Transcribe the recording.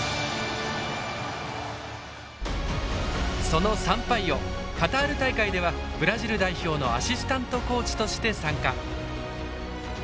そのサンパイオカタール大会ではブラジル代表のアシスタントコーチとして参加。